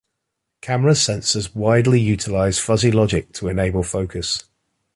Camera sensors widely utilize fuzzy logic to enable focus.